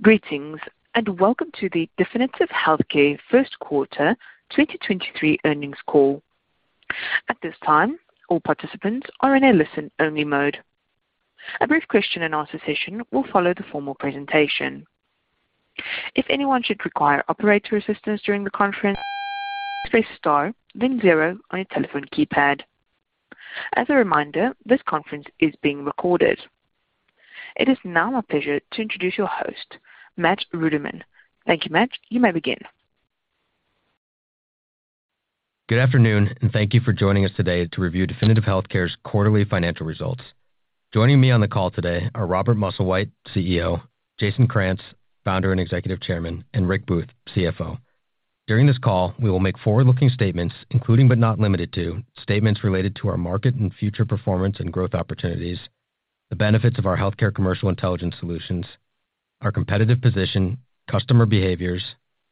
Greetings, and welcome to the Definitive Healthcare Q1 2023 earnings call. At this time, all participants are in a listen-only mode. A brief question and answer session will follow the formal presentation. If anyone should require operator assistance during the conference, press star then 0 on your telephone keypad. As a reminder, this conference is being recorded. It is now my pleasure to introduce your host, Matt Ruderman. Thank you, Matt. You may begin. Good afternoon, and thank you for joining us today to review Definitive Healthcare's quarterly financial results. Joining me on the call today are Robert Musslewhite, CEO, Jason Krantz, Founder and Executive Chairman, and Rick Booth, CFO. During this call, we will make forward-looking statements, including, but not limited to, statements related to our market and future performance and growth opportunities, the benefits of our healthcare commercial intelligence solutions, our competitive position, customer behaviors,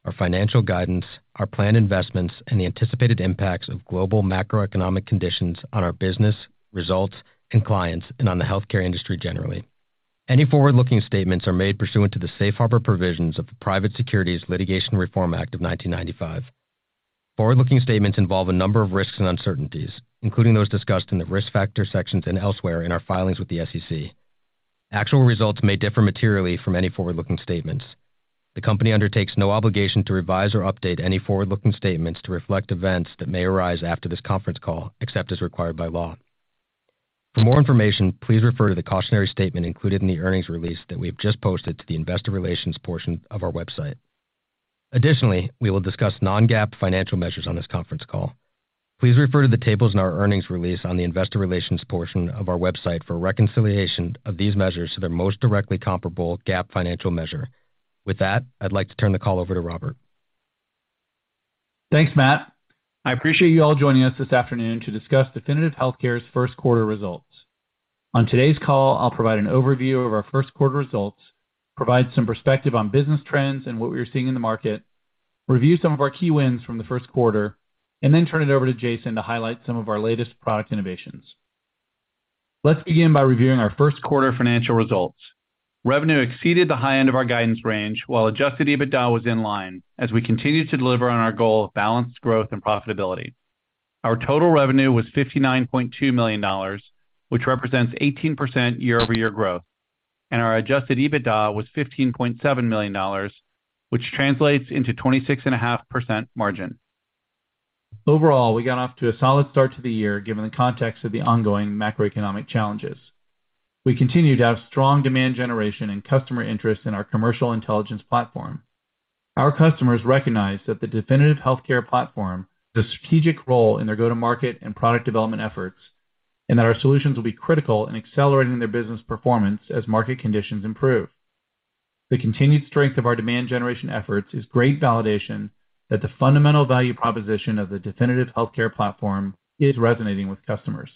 our financial guidance, our planned investments, and the anticipated impacts of global macroeconomic conditions on our business results and clients, and on the healthcare industry generally. Any forward-looking statements are made pursuant to the safe harbor provisions of the Private Securities Litigation Reform Act of 1995. Forward-looking statements involve a number of risks and uncertainties, including those discussed in the Risk Factor sections and elsewhere in our filings with the SEC. Actual results may differ materially from any forward-looking statements. The company undertakes no obligation to revise or update any forward-looking statements to reflect events that may arise after this conference call, except as required by law. For more information, please refer to the cautionary statement included in the earnings release that we have just posted to the investor relations portion of our website. Additionally, we will discuss non-GAAP financial measures on this conference call. Please refer to the tables in our earnings release on the investor relations portion of our website for a reconciliation of these measures to their most directly comparable GAAP financial measure. With that, I'd like to turn the call over to Robert. Thanks, Matt. I appreciate you all joining us this afternoon to discuss Definitive Healthcare's Q1 results. On today's call, I'll provide an overview of our Q1 results, provide some perspective on business trends and what we are seeing in the market, review some of our key wins from the Q1, and then turn it over to Jason to highlight some of our latest product innovations. Let's begin by reviewing our Q1 financial results. Revenue exceeded the high end of our guidance range while adjusted EBITDA was in line as we continued to deliver on our goal of balanced growth and profitability. Our total revenue was $59.2 million, which represents 18% year-over-year growth, and our adjusted EBITDA was $15.7 million, which translates into 26.5% margin. Overall, we got off to a solid start to the year, given the context of the ongoing macroeconomic challenges. We continue to have strong demand generation and customer interest in our commercial intelligence platform. Our customers recognize that the Definitive Healthcare platform, the strategic role in their go-to-market and product development efforts, and that our solutions will be critical in accelerating their business performance as market conditions improve. The continued strength of our demand generation efforts is great validation that the fundamental value proposition of the Definitive Healthcare platform is resonating with customers.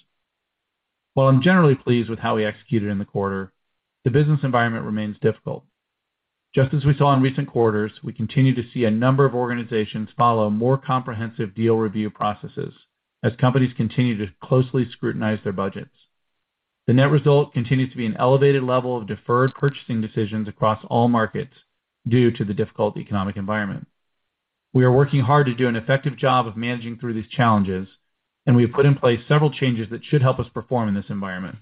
While I'm generally pleased with how we executed in the quarter, the business environment remains difficult. Just as we saw in recent quarters, we continue to see a number of organizations follow more comprehensive deal review processes as companies continue to closely scrutinize their budgets. The net result continues to be an elevated level of deferred purchasing decisions across all markets due to the difficult economic environment. We are working hard to do an effective job of managing through these challenges, and we have put in place several changes that should help us perform in this environment.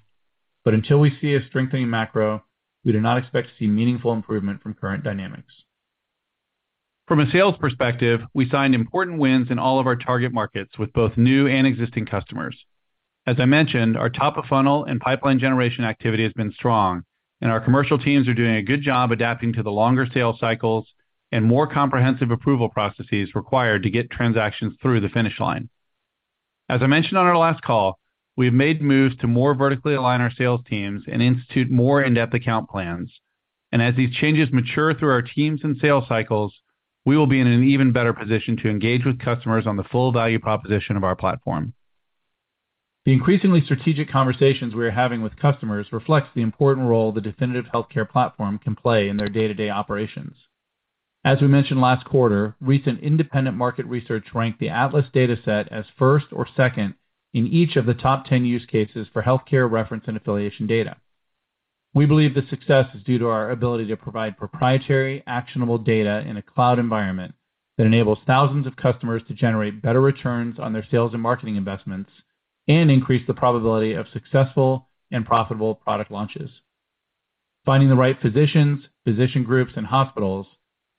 Until we see a strengthening macro, we do not expect to see meaningful improvement from current dynamics. From a sales perspective, we signed important wins in all of our target markets with both new and existing customers. As I mentioned, our top of funnel and pipeline generation activity has been strong, and our commercial teams are doing a good job adapting to the longer sales cycles and more comprehensive approval processes required to get transactions through the finish line. As I mentioned on our last call, we have made moves to more vertically align our sales teams and institute more in-depth account plans. As these changes mature through our teams and sales cycles, we will be in an even better position to engage with customers on the full value proposition of our platform. The increasingly strategic conversations we are having with customers reflects the important role the Definitive Healthcare platform can play in their day-to-day operations. As we mentioned last quarter, recent independent market research ranked the Atlas Dataset as first or second in each of the top 10 use cases for healthcare reference and affiliation data. We believe the success is due to our ability to provide proprietary, actionable data in a cloud environment that enables thousands of customers to generate better returns on their sales and marketing investments and increase the probability of successful and profitable product launches. Finding the right physicians, physician groups and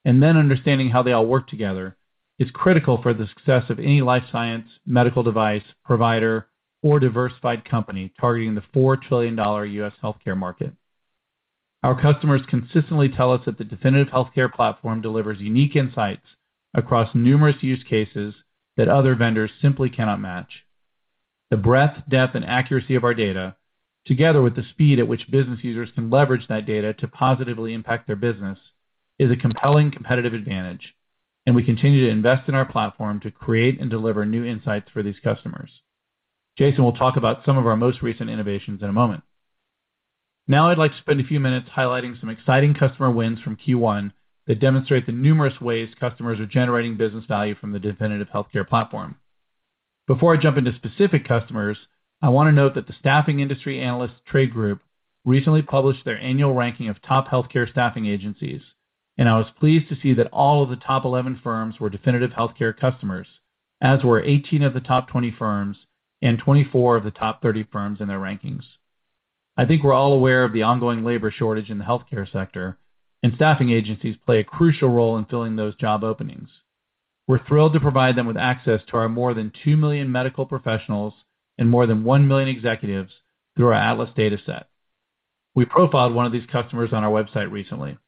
hospitals, and then understanding how they all work together is critical for the success of any life science, medical device, provider, or diversified company targeting the $4 trillion U.S. healthcare market. Our customers consistently tell us that the Definitive Healthcare platform delivers unique insights across numerous use cases that other vendors simply cannot match. The breadth, depth, and accuracy of our data, together with the speed at which business users can leverage that data to positively impact their business, is a compelling competitive advantage, and we continue to invest in our platform to create and deliver new insights for these customers. Jason will talk about some of our most recent innovations in a moment. Now I'd like to spend a few minutes highlighting some exciting customer wins from Q1 that demonstrate the numerous ways customers are generating business value from the Definitive Healthcare platform. Before I jump into specific customers, I want to note that the staffing industry analyst trade group recently published their annual ranking of top healthcare staffing agencies, and I was pleased to see that all of the top 11 firms were Definitive Healthcare customers, as were 18 of the top 20 firms and 24 of the top 30 firms in their rankings. I think we're all aware of the ongoing labor shortage in the healthcare sector, and staffing agencies play a crucial role in filling those job openings. We're thrilled to provide them with access to our more than 2 million medical professionals and more than 1 million executives through our Atlas Dataset. We profiled one of these customers on our website recently.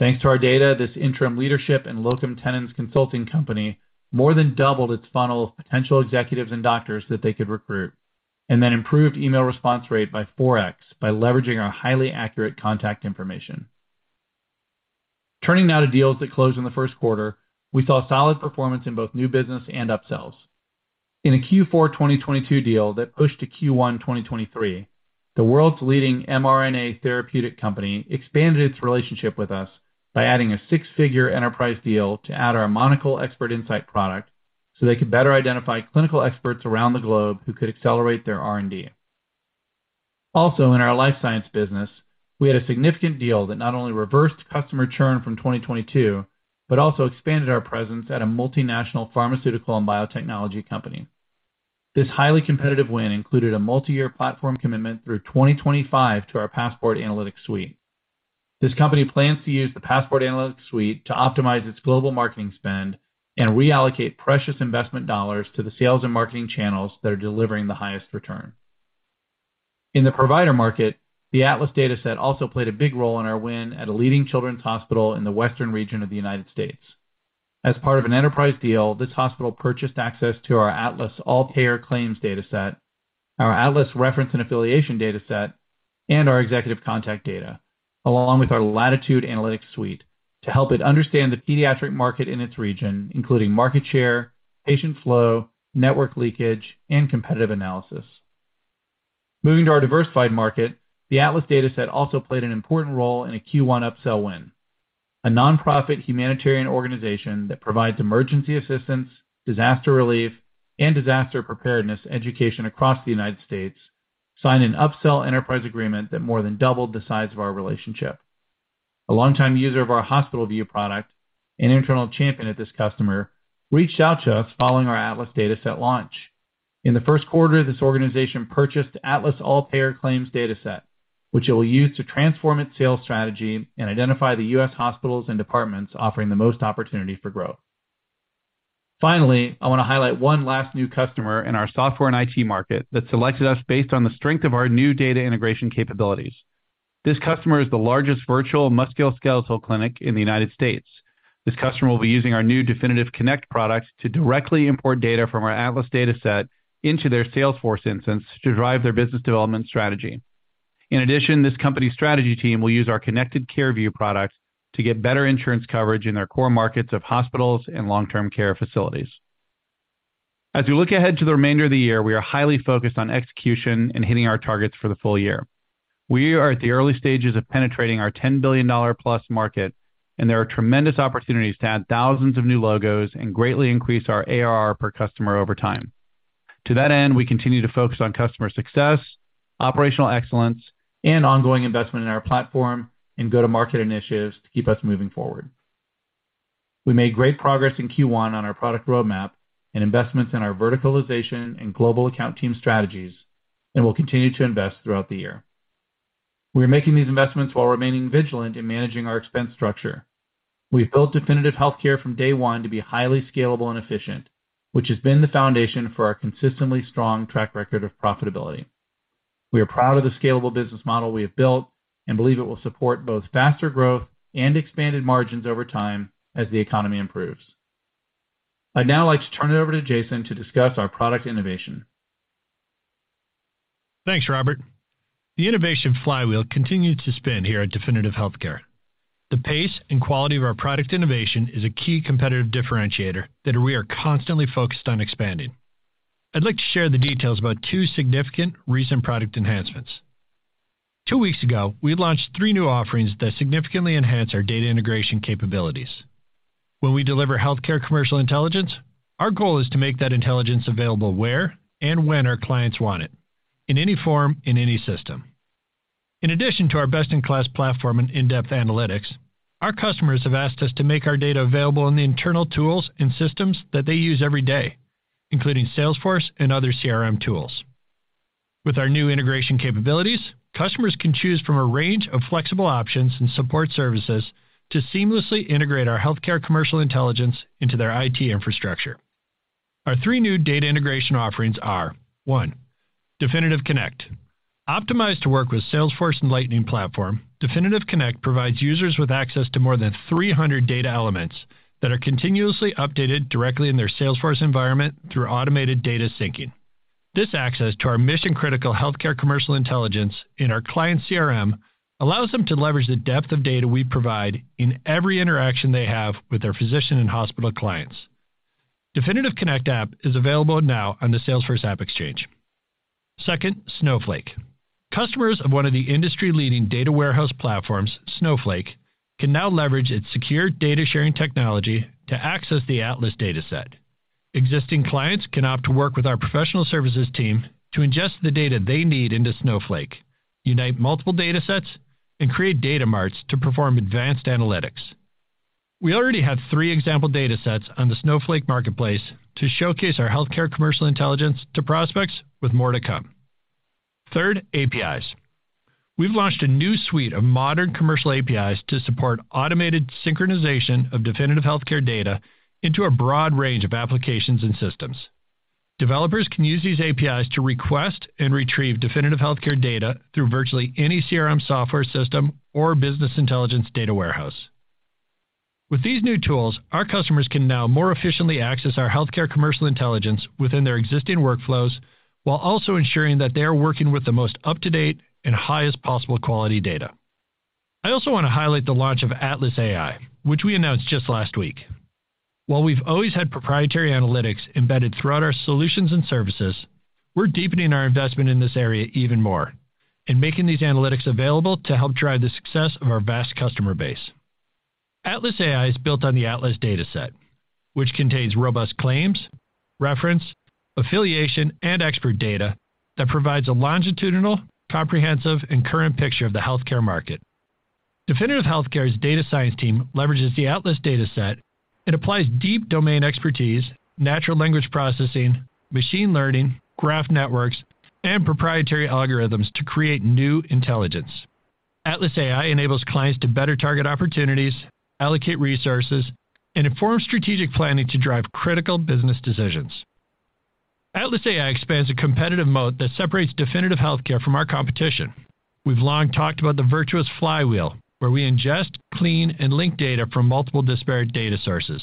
Thanks to our data, this interim leadership and locum tenens consulting company more than doubled its funnel of potential executives and doctors that they could recruit, then improved email response rate by 4x by leveraging our highly accurate contact information. Turning now to deals that closed in the Q1, we saw solid performance in both new business and upsells. In a Q4 2022 deal that pushed to Q1 2023, the world's leading mRNA therapeutic company expanded its relationship with us by adding a six-figure enterprise deal to add our Monocl Expert Insight product, so they could better identify clinical experts around the globe who could accelerate their R&D. In our life science business, we had a significant deal that not only reversed customer churn from 2022, but also expanded our presence at a multinational pharmaceutical and biotechnology company. This highly competitive win included a multi-year platform commitment through 2025 to our Passport Analytics Suite. This company plans to use the Passport Analytics Suite to optimize its global marketing spend and reallocate precious investment dollars to the sales and marketing channels that are delivering the highest return. In the provider market, the Atlas Dataset also played a big role in our win at a leading children's hospital in the western region of the United States. As part of an enterprise deal, this hospital purchased access to our Atlas All-Payor Claims data set, our Atlas reference and affiliation data set, and our executive contact data, along with our Latitude Analytics Suite to help it understand the pediatric market in its region, including market share, patient flow, network leakage, and competitive analysis. Moving to our diversified market, the Atlas Dataset also played an important role in a Q1 upsell win. A nonprofit humanitarian organization that provides emergency assistance, disaster relief, and disaster preparedness education across the United States signed an upsell enterprise agreement that more than doubled the size of our relationship. A longtime user of our HospitalView product, an internal champion at this customer, reached out to us following our Atlas Dataset launch. In the Q1, this organization purchased Atlas All-Payor Claims Dataset, which it will use to transform its sales strategy and identify the U.S. hospitals and departments offering the most opportunity for growth. Finally, I want to highlight one last new customer in our software and IT market that selected us based on the strength of our new data integration capabilities. This customer is the largest virtual musculoskeletal clinic in the United States. This customer will be using our new DefinitiveConnect product to directly import data from our Atlas Dataset into their Salesforce instance to drive their business development strategy. In addition, this company's strategy team will use our ConnectedCareView product to get better insurance coverage in their core markets of hospitals and long-term care facilities. We look ahead to the remainder of the year, we are highly focused on execution and hitting our targets for the full year. We are at the early stages of penetrating our $10 billion plus market, there are tremendous opportunities to add thousands of new logos and greatly increase our ARR per customer over time. To that end, we continue to focus on customer success, operational excellence, and ongoing investment in our platform and go-to-market initiatives to keep us moving forward. We made great progress in Q1 on our product roadmap and investments in our verticalization and global account team strategies, we'll continue to invest throughout the year. We're making these investments while remaining vigilant in managing our expense structure. We've built Definitive Healthcare from day one to be highly scalable and efficient, which has been the foundation for our consistently strong track record of profitability. We are proud of the scalable business model we have built and believe it will support both faster growth and expanded margins over time as the economy improves. I'd now like to turn it over to Jason to discuss our product innovation. Thanks, Robert. The innovation flywheel continues to spin here at Definitive Healthcare. The pace and quality of our product innovation is a key competitive differentiator that we are constantly focused on expanding. I'd like to share the details about two significant recent product enhancements. Two weeks ago, we launched three new offerings that significantly enhance our data integration capabilities. When we deliver healthcare commercial intelligence, our goal is to make that intelligence available where and when our clients want it, in any form, in any system. In addition to our best-in-class platform and in-depth analytics, our customers have asked us to make our data available in the internal tools and systems that they use every day, including Salesforce and other CRM tools. With our new integration capabilities, customers can choose from a range of flexible options and support services to seamlessly integrate our healthcare commercial intelligence into their IT infrastructure. Our three new data integration offerings are, one, Definitive Connect. Optimized to work with Salesforce and Lightning Platform, Definitive Connect provides users with access to more than 300 data elements that are continuously updated directly in their Salesforce environment through automated data syncing. This access to our mission-critical healthcare commercial intelligence in our client CRM allows them to leverage the depth of data we provide in every interaction they have with their physician and hospital clients. Definitive Connect app is available now on the Salesforce AppExchange. Snowflake. Customers of one of the industry-leading data warehouse platforms, Snowflake, can now leverage its secure data sharing technology to access the Atlas Dataset. Existing clients can opt to work with our professional services team to ingest the data they need into Snowflake, unite multiple data sets, and create data marts to perform advanced analytics. We already have three example data sets on the Snowflake Marketplace to showcase our healthcare commercial intelligence to prospects with more to come. Third, APIs. We've launched a new suite of modern commercial APIs to support automated synchronization of Definitive Healthcare data into a broad range of applications and systems. Developers can use these APIs to request and retrieve Definitive Healthcare data through virtually any CRM software system or business intelligence data warehouse. With these new tools, our customers can now more efficiently access our healthcare commercial intelligence within their existing workflows while also ensuring that they are working with the most up-to-date and highest possible quality data. I also want to highlight the launch of Atlas AI, which we announced just last week. While we've always had proprietary analytics embedded throughout our solutions and services, we're deepening our investment in this area even more and making these analytics available to help drive the success of our vast customer base. Atlas AI is built on the Atlas Dataset, which contains robust claims, reference, affiliation, and expert data that provides a longitudinal, comprehensive, and current picture of the healthcare market. Definitive Healthcare's data science team leverages the Atlas Dataset and applies deep domain expertise, natural language processing, machine learning, graph networks, and proprietary algorithms to create new intelligence. Atlas AI enables clients to better target opportunities, allocate resources, and inform strategic planning to drive critical business decisions. Atlas AI expands a competitive moat that separates Definitive Healthcare from our competition. We've long talked about the virtuous flywheel, where we ingest, clean, and link data from multiple disparate data sources,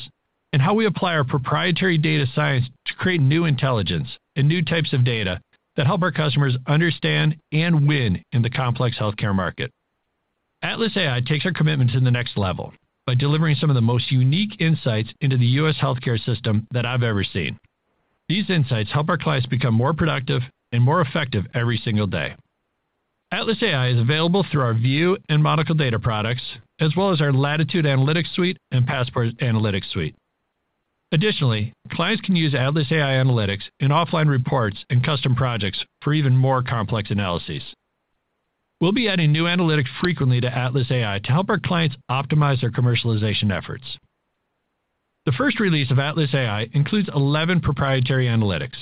and how we apply our proprietary data science to create new intelligence and new types of data that help our customers understand and win in the complex healthcare market. Atlas AI takes our commitment to the next level by delivering some of the most unique insights into the U.S. healthcare system that I've ever seen. These insights help our clients become more productive and more effective every single day. Atlas AI is available through our View and Monocl data products, as well as our Latitude Analytics Suite and Passport Analytics Suite. Additionally, clients can use Atlas AI analytics in offline reports and custom projects for even more complex analyses. We'll be adding new analytics frequently to Atlas AI to help our clients optimize their commercialization efforts. The first release of Atlas AI includes 11 proprietary analytics,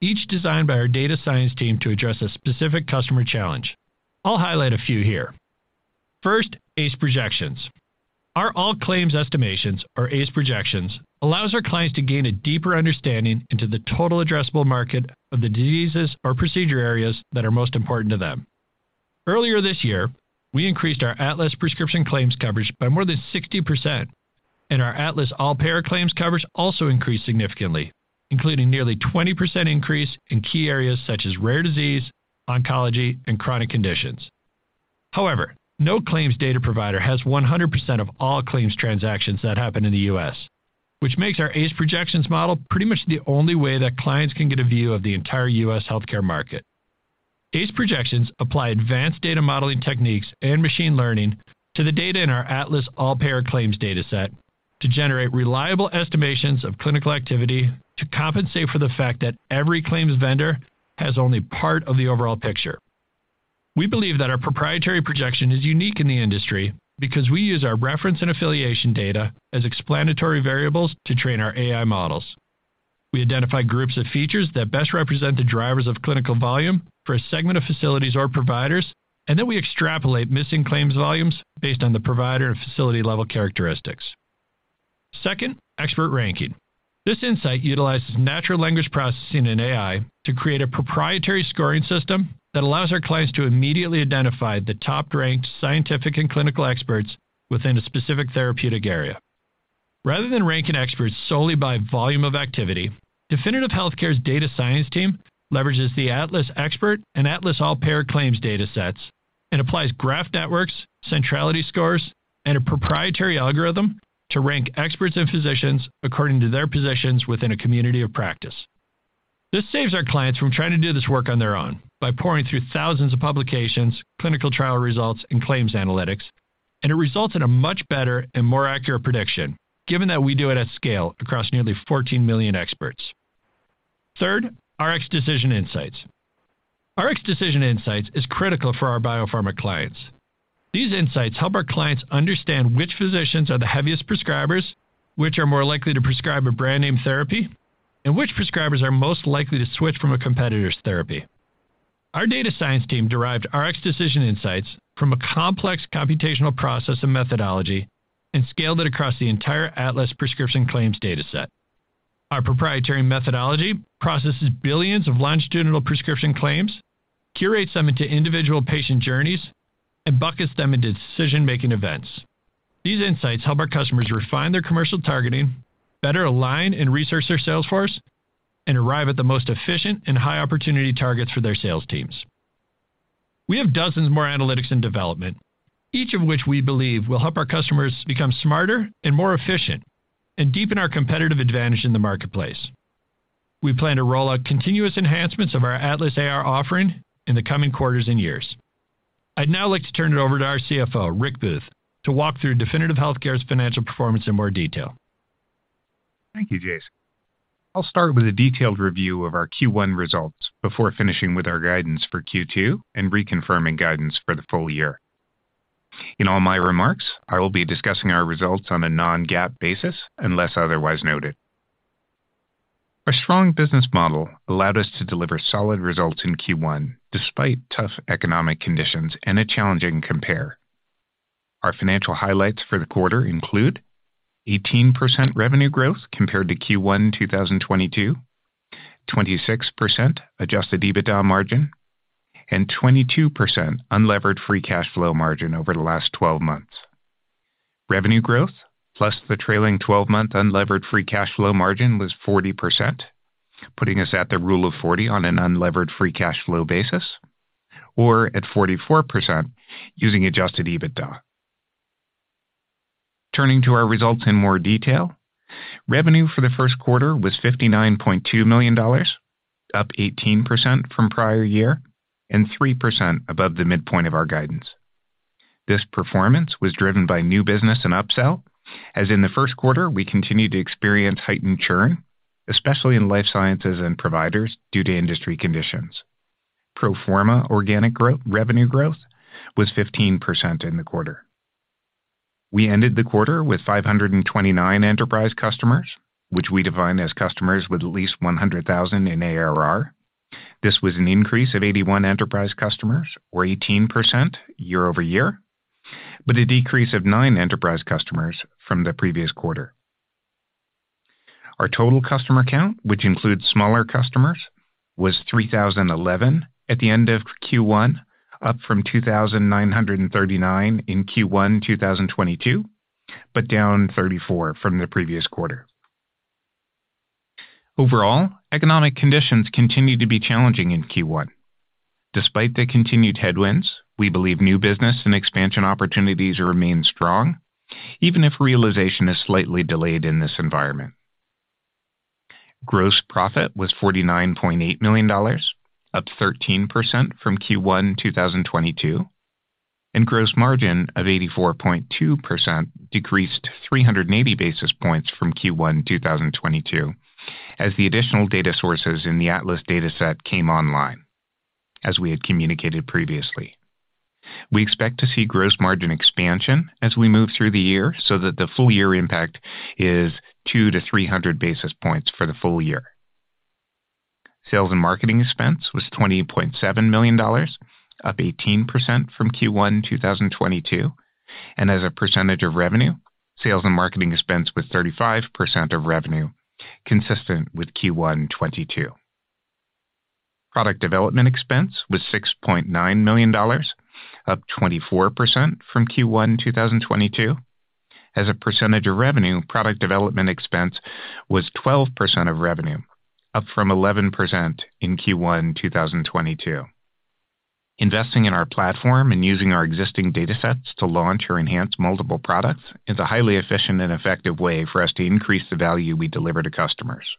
each designed by our data science team to address a specific customer challenge. I'll highlight a few here. First, ACE Projections. Our All Claims Estimations, or ACE Projections, allows our clients to gain a deeper understanding into the total addressable market of the diseases or procedure areas that are most important to them. Earlier this year, we increased our Atlas Prescription Claims coverage by more than 60%, and our Atlas All-Payor Claims coverage also increased significantly, including nearly 20% increase in key areas such as rare disease, oncology, and chronic conditions. No claims data provider has 100% of all claims transactions that happen in the US, which makes our ACE Projections model pretty much the only way that clients can get a view of the entire US healthcare market. ACE Projections apply advanced data modeling techniques and machine learning to the data in our Atlas All-Payor claims data set to generate reliable estimations of clinical activity to compensate for the fact that every claims vendor has only part of the overall picture. We believe that our proprietary projection is unique in the industry because we use our Atlas reference and affiliation data as explanatory variables to train our AI models. We identify groups of features that best represent the drivers of clinical volume for a segment of facilities or providers, and then we extrapolate missing claims volumes based on the provider and facility-level characteristics. Second, Expert Ranking. This insight utilizes natural language processing and AI to create a proprietary scoring system that allows our clients to immediately identify the top-ranked scientific and clinical experts within a specific therapeutic area. Rather than ranking experts solely by volume of activity, Definitive Healthcare's data science team leverages the Atlas Expert and Atlas All-Payor Claims data sets and applies graph networks, centrality scores, and a proprietary algorithm to rank experts and physicians according to their positions within a community of practice. This saves our clients from trying to do this work on their own by poring through thousands of publications, clinical trial results, and claims analytics, and it results in a much better and more accurate prediction, given that we do it at scale across nearly 14 million experts. Third, Rx-Decision Insights. Rx-Decision Insights is critical for our biopharma clients. These insights help our clients understand which physicians are the heaviest prescribers, which are more likely to prescribe a brand name therapy, and which prescribers are most likely to switch from a competitor's therapy. Our data science team derived Rx-Decision Insights from a complex computational process and methodology and scaled it across the entire Atlas Prescription Claims data set. Our proprietary methodology processes billions of longitudinal prescription claims, curates them into individual patient journeys, and buckets them into decision-making events. These insights help our customers refine their commercial targeting, better align and resource their sales force, and arrive at the most efficient and high-opportunity targets for their sales teams. We have dozens more analytics in development, each of which we believe will help our customers become smarter and more efficient and deepen our competitive advantage in the marketplace. We plan to roll out continuous enhancements of our Atlas AR offering in the coming quarters and years. I'd now like to turn it over to our CFO, Rick Booth, to walk through Definitive Healthcare's financial performance in more detail. Thank you, Jason. I'll start with a detailed review of our Q1 results before finishing with our guidance for Q2 and reconfirming guidance for the full year. In all my remarks, I will be discussing our results on a non-GAAP basis unless otherwise noted. Our strong business model allowed us to deliver solid results in Q1 despite tough economic conditions and a challenging compare. Our financial highlights for the quarter include 18% revenue growth compared to Q1 2022, 26% adjusted EBITDA margin, and 22% unlevered free cash flow margin over the last 12 months. Revenue growth plus the trailing 12-month unlevered free cash flow margin was 40%, putting us at the Rule of 40 on an unlevered free cash flow basis, or at 44% using adjusted EBITDA. Turning to our results in more detail. Revenue for the Q1 was $59.2 million, up 18% from prior year and 3% above the midpoint of our guidance. This performance was driven by new business and upsell as in the Q1 we continued to experience heightened churn, especially in life sciences and providers due to industry conditions. Pro forma organic growth, revenue growth was 15% in the quarter. We ended the quarter with 529 enterprise customers, which we define as customers with at least $100,000 in ARR. This was an increase of 81 enterprise customers or 18% year-over-year, but a decrease of nine enterprise customers from the previous quarter. Our total customer count, which includes smaller customers, was 3,011 at the end of Q1, up from 2,939 in Q1 2022, but down 34 from the previous quarter. Overall, economic conditions continued to be challenging in Q1. Despite the continued headwinds, we believe new business and expansion opportunities remain strong even if realization is slightly delayed in this environment. Gross profit was $49.8 million, up 13% from Q1 2022, and gross margin of 84.2% decreased 380 basis points from Q1 2022 as the additional data sources in the Atlas Dataset came online, as we had communicated previously. We expect to see gross margin expansion as we move through the year so that the full year impact is 200-300 basis points for the full year. Sales and marketing expense was $28.7 million, up 18% from Q1 2022. As a percentage of revenue, sales and marketing expense was 35% of revenue, consistent with Q1 2022. Product development expense was $6.9 million, up 24% from Q1 2022. As a percentage of revenue, product development expense was 12% of revenue, up from 11% in Q1 2022. Investing in our platform and using our existing datasets to launch or enhance multiple products is a highly efficient and effective way for us to increase the value we deliver to customers.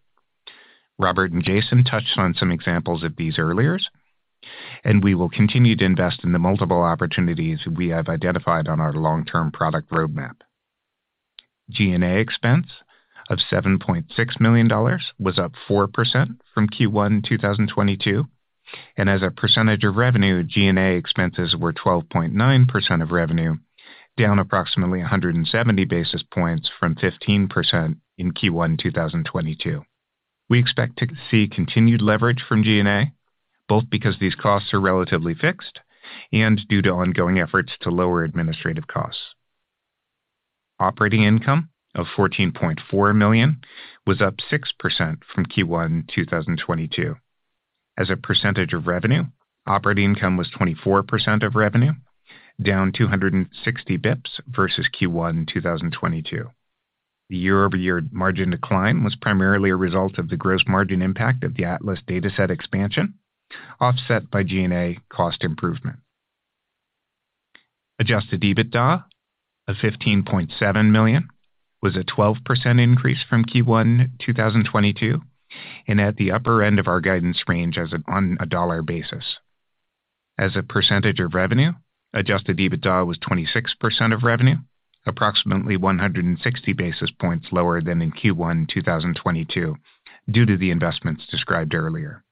Robert and Jason touched on some examples of these earliers, and we will continue to invest in the multiple opportunities we have identified on our long-term product roadmap. G&A expense of $7.6 million was up 4% from Q1 2022, and as a percentage of revenue, G&A expenses were 12.9% of revenue, down approximately 170 basis points from 15% in Q1 2022. We expect to see continued leverage from G&A, both because these costs are relatively fixed and due to ongoing efforts to lower administrative costs. Operating income of $14.4 million was up 6% from Q1 2022. As a percentage of revenue, operating income was 24% of revenue, down 260 BPS versus Q1 2022. The year-over-year margin decline was primarily a result of the gross margin impact of the Atlas Dataset expansion, offset by G&A cost improvement. adjusted EBITDA of $15.7 million was a 12% increase from Q1 2022 and at the upper end of our guidance range as on a dollar basis. As a percentage of revenue, adjusted EBITDA was 26% of revenue, approximately 160 basis points lower than in Q1 2022 due to the investments described earlier,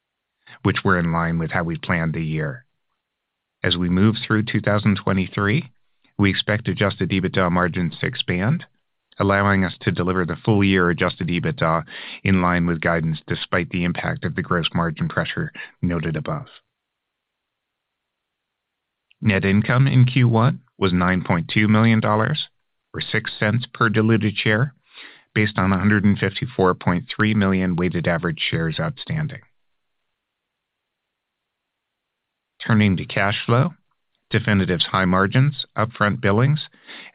which were in line with how we planned the year. As we move through 2023, we expect adjusted EBITDA margins to expand, allowing us to deliver the full year adjusted EBITDA in line with guidance despite the impact of the gross margin pressure noted above. Net income in Q1 was $9.2 million or $0.06 per diluted share based on 154.3 million weighted average shares outstanding. Turning to cash flow. Definitive's high margins, upfront billings,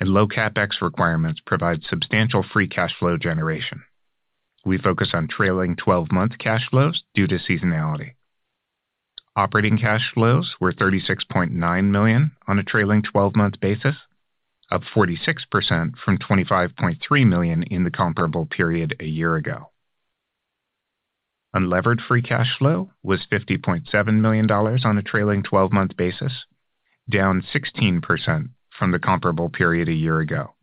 and low CapEx requirements provide substantial free cash flow generation. We focus on trailing 12-month cash flows due to seasonality. Operating cash flows were $36.9 million on a trailing 12-month basis, up 46% from $25.3 million in the comparable period a year ago. Unlevered free cash flow was $50.7 million on a trailing 12-month basis, down 16% from the comparable period a year ago.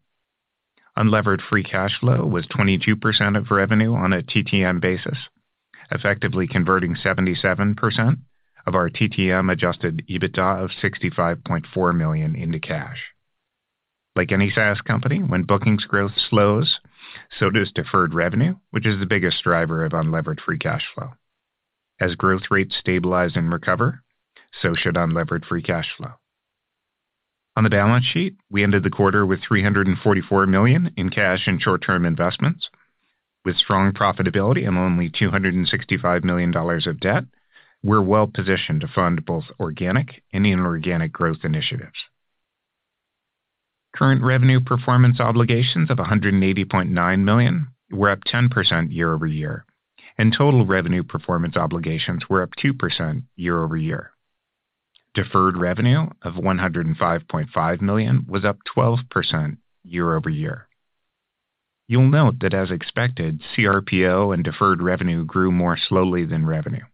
Unlevered free cash flow was 22% of revenue on a TTM basis, effectively converting 77% of our TTM adjusted EBITDA of $65.4 million into cash. Like any SaaS company, when bookings growth slows, so does deferred revenue, which is the biggest driver of unlevered free cash flow. As growth rates stabilize and recover, so should unlevered free cash flow. On the balance sheet, we ended the quarter with $344 million in cash and short-term investments. With strong profitability and only $265 million of debt, we're well-positioned to fund both organic and inorganic growth initiatives. Current revenue performance obligations of $180.9 million were up 10% year-over-year, and total revenue performance obligations were up 2% year-over-year. Deferred revenue of $105.5 million was up 12% year-over-year. You'll note that as expected, CRPO and deferred revenue grew more slowly than revenue.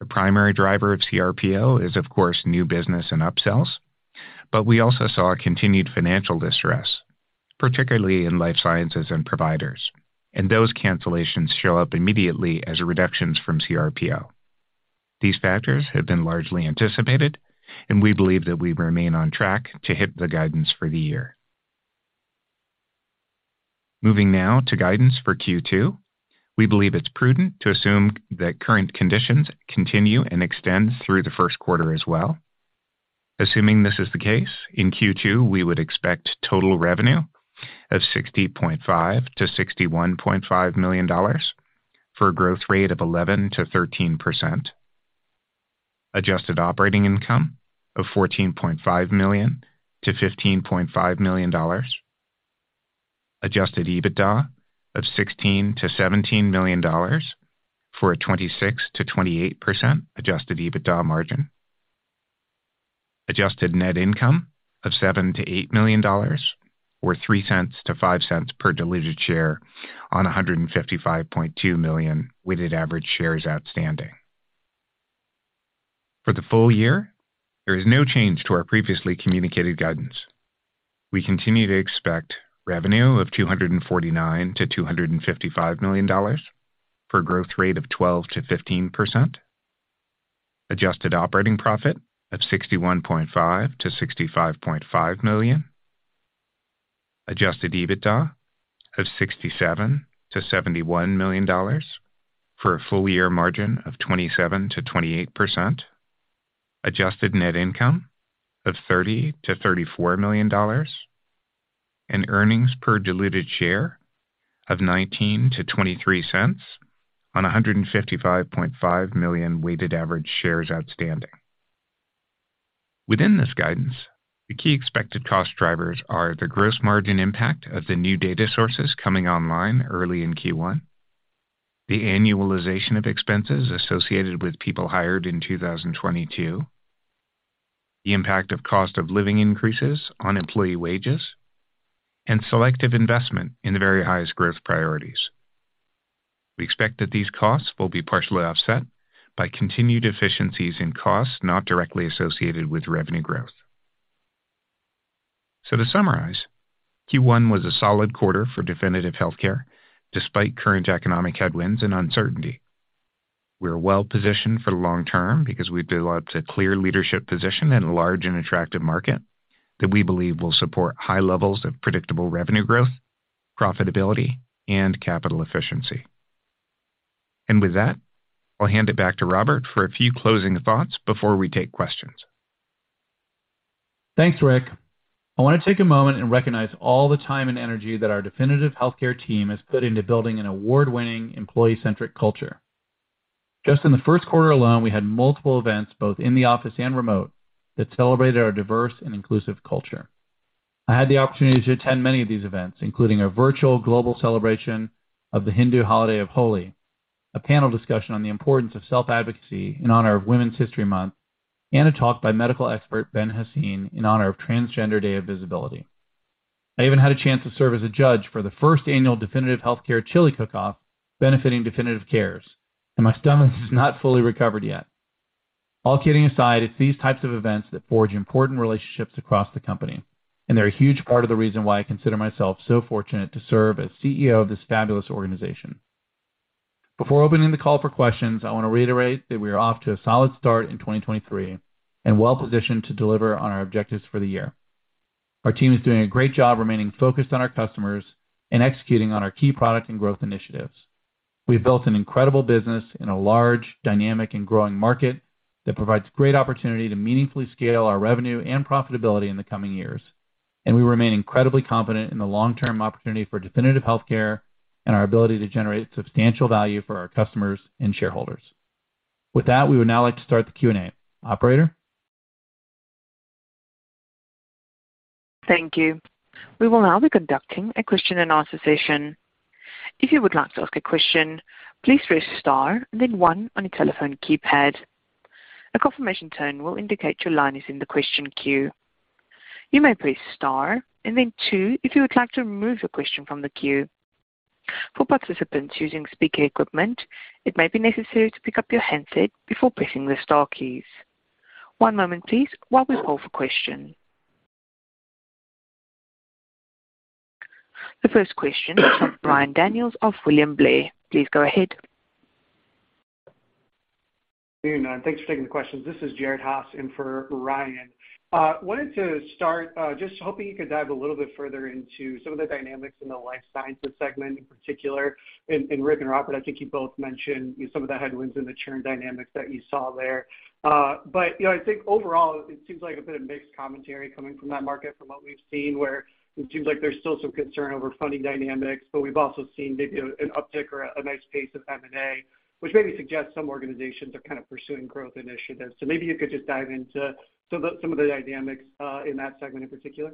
The primary driver of CRPO is of course new business and upsells, but we also saw a continued financial distress, particularly in life sciences and providers, and those cancellations show up immediately as reductions from CRPO. These factors have been largely anticipated, and we believe that we remain on track to hit the guidance for the year. Moving now to guidance for Q2. We believe it's prudent to assume that current conditions continue and extend through the Q1 as well. Assuming this is the case, in Q2, we would expect total revenue of $60.5 million-$61.5 million for a growth rate of 11-13%. Adjusted operating income of $14.5 million-$15.5 million. Adjusted EBITDA of $16 million-$17 million for a 26-28% Adjusted EBITDA margin. Adjusted net income of $7 million-$8 million or $0.03-$0.05 per diluted share on 155.2 million weighted average shares outstanding. For the full year, there is no change to our previously communicated guidance. We continue to expect revenue of $249 million-$255 million for a growth rate of 12-15%. Adjusted operating profit of $61.5 million-$65.5 million. Adjusted EBITDA of $67 million-$71 million for a full year margin of 27-28%. Adjusted net income of $30 million-$34 million. Earnings per diluted share of $0.19-$0.23 on 155.5 million weighted average shares outstanding. Within this guidance, the key expected cost drivers are the gross margin impact of the new data sources coming online early in Q1, the annualization of expenses associated with people hired in 2022, the impact of cost of living increases on employee wages, and selective investment in the very highest growth priorities. We expect that these costs will be partially offset by continued efficiencies in costs not directly associated with revenue growth. To summarize, Q1 was a solid quarter for Definitive Healthcare despite current economic headwinds and uncertainty. We're well-positioned for the long term because we've developed a clear leadership position in a large and attractive market that we believe will support high levels of predictable revenue growth, profitability, and capital efficiency. With that, I'll hand it back to Robert for a few closing thoughts before we take questions. Thanks, Rick. I wanna take a moment and recognize all the time and energy that our Definitive Healthcare team has put into building an award-winning employee-centric culture. Just in the Q1 alone, we had multiple events, both in the office and remote, that celebrated our diverse and inclusive culture. I had the opportunity to attend many of these events, including our virtual global celebration of the Hindu holiday of Holi, a panel discussion on the importance of self-advocacy in honor of Women's History Month, and a talk by medical expert Ben Haseen in honor of Transgender Day of Visibility. I even had a chance to serve as a judge for the first annual Definitive Healthcare chili cook-off benefiting DefinitiveCares. My stomach is not fully recovered yet. All kidding aside, it's these types of events that forge important relationships across the company. They're a huge part of the reason why I consider myself so fortunate to serve as CEO of this fabulous organization. Before opening the call for questions, I want to reiterate that we are off to a solid start in 2023 and well-positioned to deliver on our objectives for the year. Our team is doing a great job remaining focused on our customers and executing on our key product and growth initiatives. We've built an incredible business in a large, dynamic, and growing market that provides great opportunity to meaningfully scale our revenue and profitability in the coming years. We remain incredibly confident in the long-term opportunity for Definitive Healthcare and our ability to generate substantial value for our customers and shareholders. With that, we would now like to start the Q&A. Operator? Thank you. We will now be conducting a question and answer session. If you would like to ask a question, please press star and then one on your telephone keypad. A confirmation tone will indicate your line is in the question queue. You may press star and then two if you would like to remove your question from the queue. For participants using speaker equipment, it may be necessary to pick up your handset before pressing the star keys. One moment please while we hold for question. The first question from Ryan Daniels of William Blair. Please go ahead. Good afternoon, and thanks for taking the questions. This is Jared Haas in for Ryan. Wanted to start, just hoping you could dive a little bit further into some of the dynamics in the life sciences segment in particular. Rick and Robert, I think you both mentioned some of the headwinds and the churn dynamics that you saw there. You know, I think overall it seems like a bit of mixed commentary coming from that market from what we've seen where it seems like there's still some concern over funding dynamics, but we've also seen maybe an uptick or a nice pace of M&A which maybe suggests some organizations are kind of pursuing growth initiatives. Maybe you could just dive into some of the, some of the dynamics in that segment in particular.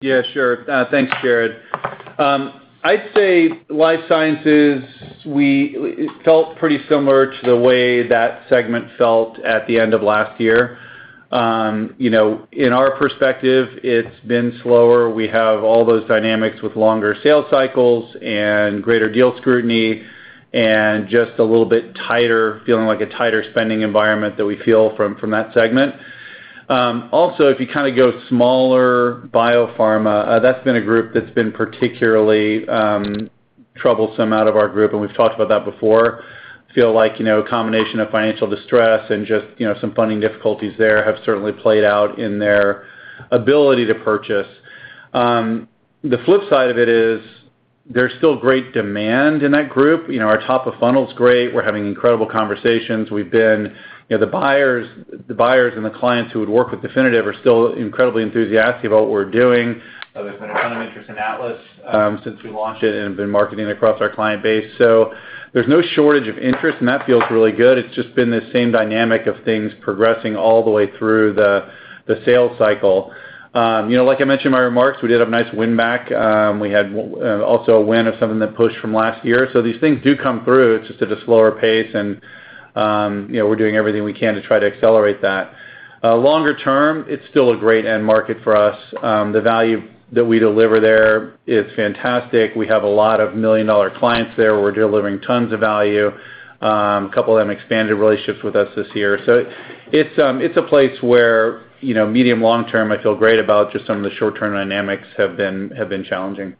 Yeah, sure. Thanks, Jared. I'd say life sciences, it felt pretty similar to the way that segment felt at the end of last year. You know, in our perspective, it's been slower. We have all those dynamics with longer sales cycles and greater deal scrutiny and just a little bit tighter, feeling like a tighter spending environment that we feel from that segment. If you kind of go smaller biopharma, that's been a group that's been particularly troublesome out of our group, and we've talked about that before. Feel like, you know, a combination of financial distress and just, you know, some funding difficulties there have certainly played out in their ability to purchase. The flip side of it is there's still great demand in that group. You know, our top of funnel's great. We're having incredible conversations. We've been, you know, the buyers and the clients who would work with Definitive are still incredibly enthusiastic about what we're doing. There's been a ton of interest in Atlas since we launched it and been marketing across our client base. There's no shortage of interest, and that feels really good. It's just been the same dynamic of things progressing all the way through the sales cycle. You know, like I mentioned in my remarks, we did have nice win back. We had also a win of something that pushed from last year. These things do come through. It's just at a slower pace and, you know, we're doing everything we can to try to accelerate that. Longer term, it's still a great end market for us. The value that we deliver there is fantastic. We have a lot of million-dollar clients there. We're delivering tons of value. A couple of them expanded relationships with us this year. It's a place where, you know, medium long term, I feel great about just some of the short-term dynamics have been challenging.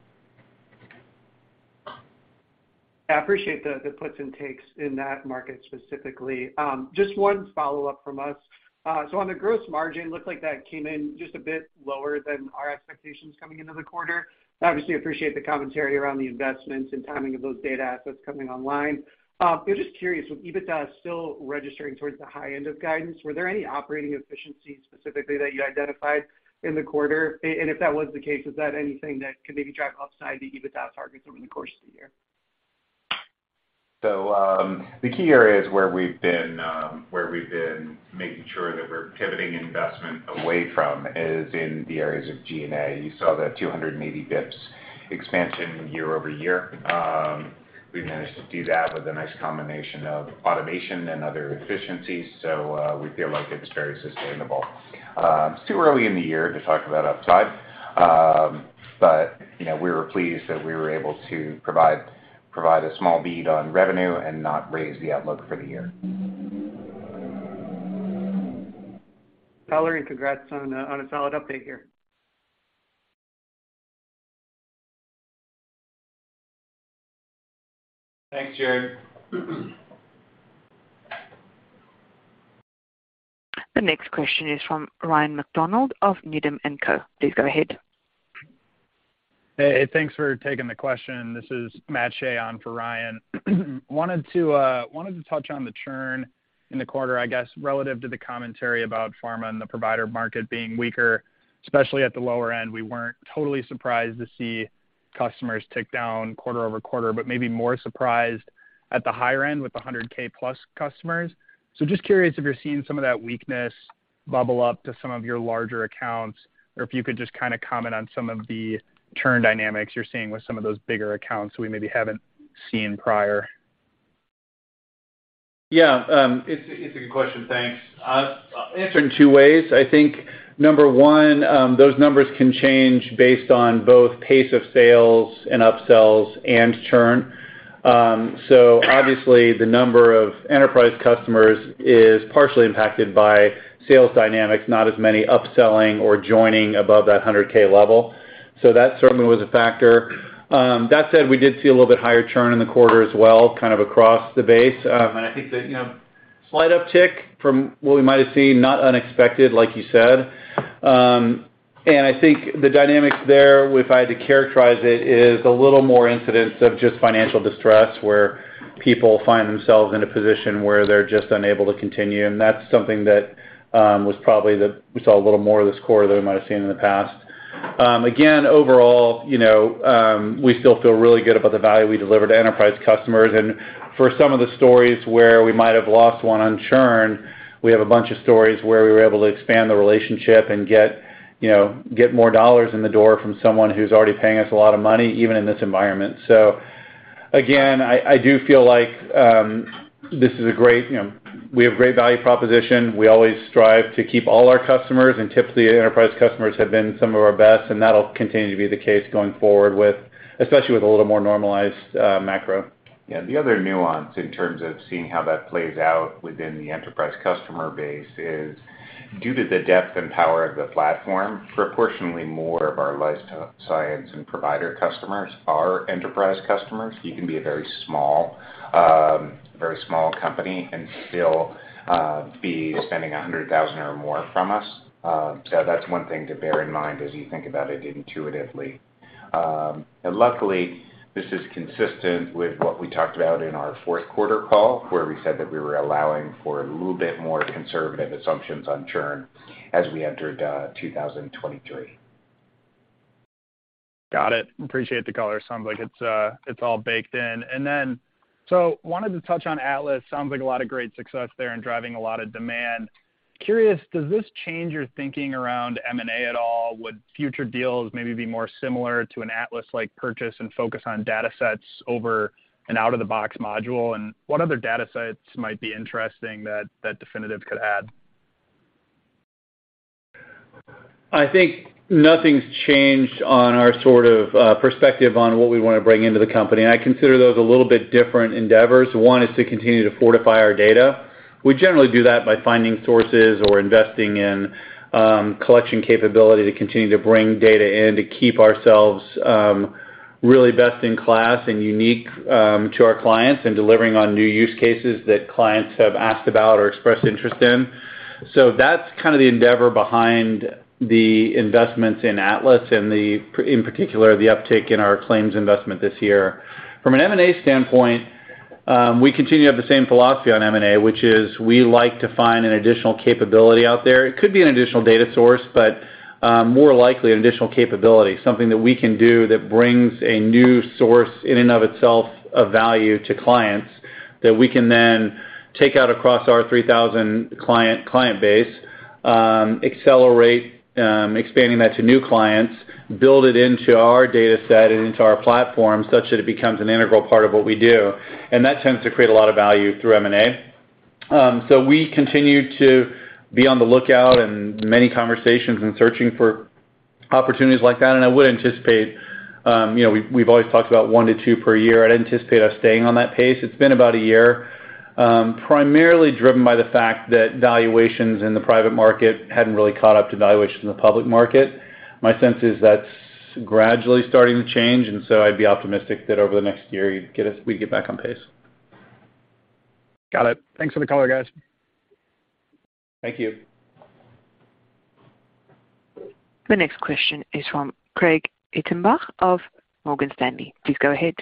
I appreciate the puts and takes in that market specifically. Just one follow-up from us. On the gross margin, looked like that came in just a bit lower than our expectations coming into the quarter. Obviously, appreciate the commentary around the investments and timing of those data assets coming online. I'm just curious, with EBITDA still registering towards the high end of guidance, were there any operating efficiencies specifically that you identified in the quarter? If that was the case, is that anything that could maybe drive upside the EBITDA targets over the course of the year? The key areas where we've been making sure that we're pivoting investment away from is in the areas of G&A. You saw the 280 bps expansion year-over-year. We've managed to do that with a nice combination of automation and other efficiencies. We feel like it's very sustainable. It's too early in the year to talk about upside. You know, we were pleased that we were able to provide a small beat on revenue and not raise the outlook for the year. Got it. Congrats on a solid update here. Thanks, Jared. The next question is from Ryan MacDonald of Needham and Co. Please go ahead. Hey, thanks for taking the question. This is Matt Shea on for Ryan. Wanted to touch on the churn in the quarter, I guess, relative to the commentary about pharma and the provider market being weaker, especially at the lower end. We weren't totally surprised to see customers tick down quarter-over-quarter, but maybe more surprised at the higher end with the 100K+ customers. Just curious if you're seeing some of that weakness bubble up to some of your larger accounts, or if you could just kinda comment on some of the churn dynamics you're seeing with some of those bigger accounts we maybe haven't seen prior. Yeah. It's a good question. Thanks. I'll answer in two ways. I think number one, those numbers can change based on both pace of sales and upsells and churn. Obviously the number of enterprise customers is partially impacted by sales dynamics, not as many upselling or joining above that 100K level. That certainly was a factor. That said, we did see a little bit higher churn in the quarter as well, kind of across the base. I think that, you know, slight uptick from what we might have seen, not unexpected, like you said. I think the dynamics there, if I had to characterize it, is a little more incidence of just financial distress, where people find themselves in a position where they're just unable to continue. That's something that was probably we saw a little more of this quarter than we might have seen in the past. Again, overall, you know, we still feel really good about the value we deliver to enterprise customers. For some of the stories where we might have lost one on churn, we have a bunch of stories where we were able to expand the relationship and get, you know, get more dollars in the door from someone who's already paying us a lot of money, even in this environment. Again, I do feel like this is a great, you know, we have great value proposition. We always strive to keep all our customers. Typically, enterprise customers have been some of our best. That'll continue to be the case going forward with, especially with a little more normalized macro. Yeah. The other nuance in terms of seeing how that plays out within the enterprise customer base is due to the depth and power of the platform, proportionally more of our life science and provider customers are enterprise customers. You can be a very small, very small company and still, be spending $100,000 or more from us. So that's one thing to bear in mind as you think about it intuitively. Luckily, this is consistent with what we talked about in our Q4 call, where we said that we were allowing for a little bit more conservative assumptions on churn as we entered, 2023. Got it. Appreciate the color. Sounds like it's all baked in. Wanted to touch on Atlas. Sounds like a lot of great success there in driving a lot of demand. Curious, does this change your thinking around M&A at all? Would future deals maybe be more similar to an Atlas-like purchase and focus on datasets over an out-of-the-box module? What other datasets might be interesting that Definitive could add? I think nothing's changed on our sort of perspective on what we wanna bring into the company. I consider those a little bit different endeavors. One is to continue to fortify our data. We generally do that by finding sources or investing in collection capability to continue to bring data in to keep ourselves really best in class and unique to our clients, and delivering on new use cases that clients have asked about or expressed interest in. That's kind of the endeavor behind the investments in Atlas and in particular, the uptick in our claims investment this year. From an M&A standpoint, we continue to have the same philosophy on M&A, which is we like to find an additional capability out there. It could be an additional data source, but, more likely an additional capability, something that we can do that brings a new source in and of itself of value to clients that we can then take out across our 3,000 client base, accelerate, expanding that to new clients, build it into our dataset and into our platform such that it becomes an integral part of what we do. That tends to create a lot of value through M&A. So we continue to be on the lookout and many conversations and searching for opportunities like that. I would anticipate, you know, we've always talked about 1 to 2 per year. I'd anticipate us staying on that pace. It's been about a year, primarily driven by the fact that valuations in the private market hadn't really caught up to valuations in the public market. My sense is that's gradually starting to change. I'd be optimistic that over the next year, we'd get back on pace. Got it. Thanks for the color, guys. Thank you. The next question is from Craig Hettenbach of Morgan Stanley. Please go ahead.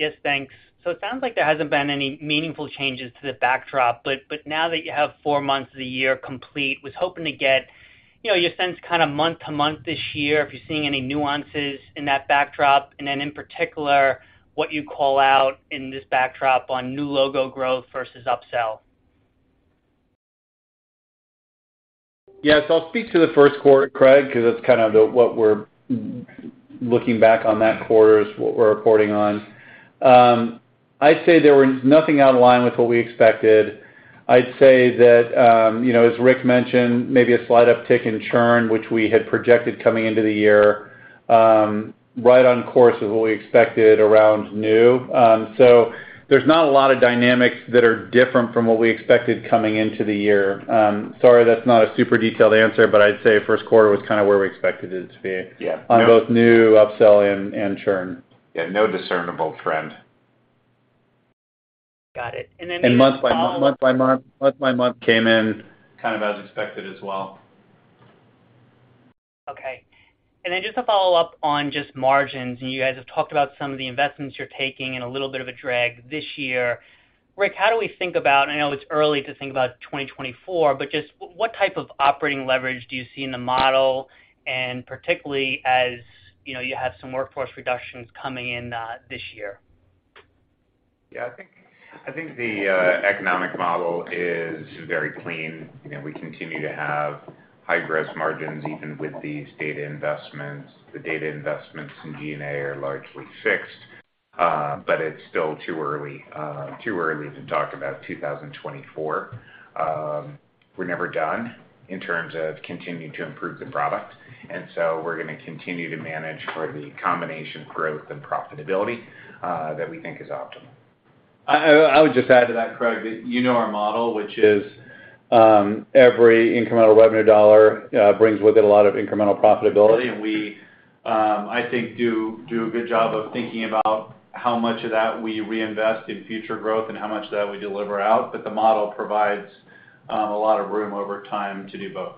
Yes, thanks. It sounds like there hasn't been any meaningful changes to the backdrop, but now that you have four months of the year complete, was hoping to get, you know, your sense kind of month-to-month this year, if you're seeing any nuances in that backdrop. In particular, what you call out in this backdrop on new logo growth versus upsell. Yes, I'll speak to the Q1, Craig, 'cause that's kind of the-- what we're looking back on that quarter is what we're reporting on. I'd say there was nothing out of line with what we expected. I'd say that, you know, as Rick mentioned, maybe a slight uptick in churn, which we had projected coming into the year, right on course with what we expected around new. There's not a lot of dynamics that are different from what we expected coming into the year. Sorry, that's not a super detailed answer, but I'd say Q1 was kinda where we expected it to be. Yeah... on both new, upsell and churn. Yeah, no discernible trend. Got it. Just to follow up. Month by month by month by month came in kind of as expected as well. Okay. Just to follow up on just margins. You guys have talked about some of the investments you're taking and a little bit of a drag this year. Rick, how do we think about, I know it's early to think about 2024, just what type of operating leverage do you see in the model, particularly as, you know, you have some workforce reductions coming in this year? Yeah. I think the economic model is very clean. You know, we continue to have high gross margins, even with these data investments. The data investments in G&A are largely fixed, but it's still too early to talk about 2024. We're never done in terms of continuing to improve the product. We're gonna continue to manage for the combination growth and profitability that we think is optimal. I would just add to that, Craig, that you know our model, which is, every incremental webinar dollar brings with it a lot of incremental profitability. We, I think, do a good job of thinking about how much of that we reinvest in future growth and how much of that we deliver out. The model provides a lot of room over time to do both.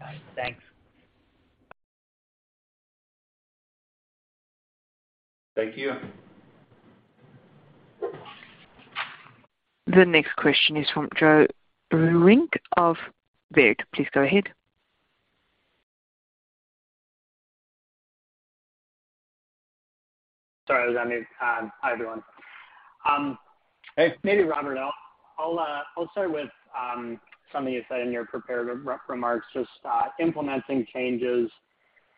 Got it. Thanks. Thank you. The next question is from Joe Vruwink of Baird. Please go ahead. Sorry about that, Nick. Hi, everyone. Hey. Maybe Robert, I'll start with something you said in your prepared remarks, just implementing changes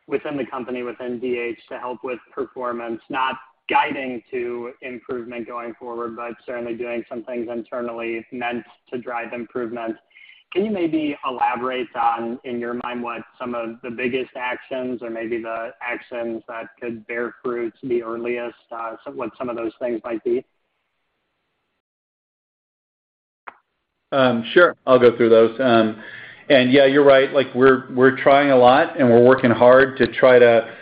within the company, within DH to help with performance, not guiding to improvement going forward, but certainly doing some things internally meant to drive improvement. Can you maybe elaborate on, in your mind, what some of the biggest actions or maybe the actions that could bear fruit to the earliest, so what some of those things might be? Sure. I'll go through those. Yeah, you're right. Like, we're trying a lot, and we're working hard to try to,